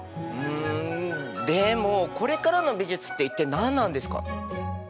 うんでもこれからの美術って一体何なんですか？